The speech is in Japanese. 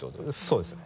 そうですね。